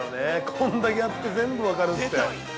こんだけあって、全部分かるって。